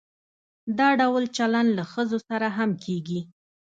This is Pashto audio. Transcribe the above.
دا ډول چلند له ښځو سره هم کیږي.